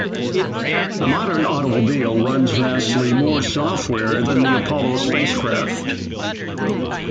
A modern automobile runs vastly more software than the Apollo spacecraft.